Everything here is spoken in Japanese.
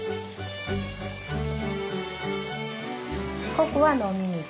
ここは飲み水。